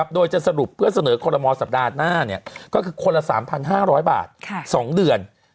โดยจะสรุปเพื่อเสนอคอลโมสัปดาห์หน้าก็คือคนละ๓๕๐๐บาท๒เดือน